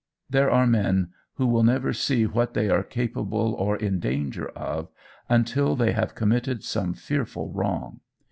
There are men who will never see what they are capable or in danger of until they have committed some fearful wrong.